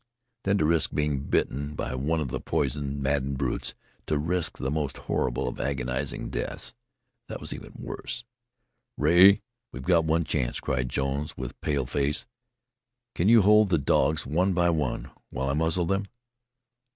Then to risk being bitten by one of the poisoned, maddened brutes, to risk the most horrible of agonizing deaths that was even worse. "Rea, we've one chance," cried Jones, with pale face. "Can you hold the dogs, one by one, while muzzle them?"